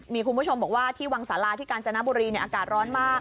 มีคุณผู้ชมบอกว่าที่วังสาราที่กาญจนบุรีอากาศร้อนมาก